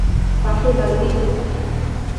পাশের বাড়িতেই সে থাকে।